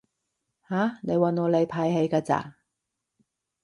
吓？你搵我嚟排戲㗎咋？